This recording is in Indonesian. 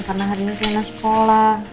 karena hari ini ternyata sekolah